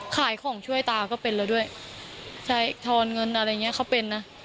ขายของช่วยตาก็เป็นแล้วด้วยใช่ทอนเงินอะไรอย่างเงี้เขาเป็นนะ